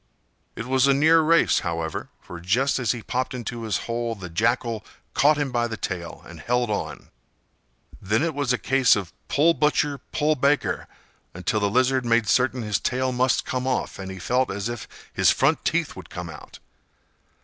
It was a near race, however, for just as he popped into his hole, the Jackal caught him by the tail, and held on. Then it was a case of "pull, butcher; pull, baker," until the Lizard made certain his tail must come off, and he felt as if his front teeth would come out.